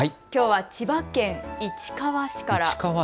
きょうは千葉県市川市から。